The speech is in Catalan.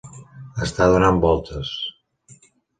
Està donant voltes.